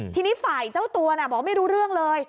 ทีนี้ฝ่ายอีกเจ้าตัวน่ะบอกว่าไม่รู้เรื่องเลย